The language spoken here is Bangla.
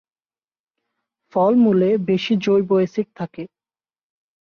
ফল, মূল-এ বেশি জৈব অ্যাসিড থাকে।